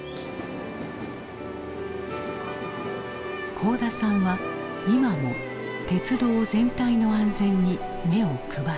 幸田さんは今も鉄道全体の安全に目を配る。